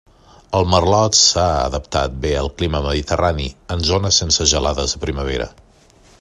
El merlot s'ha adaptat bé al clima mediterrani, en zones sense gelades de primavera.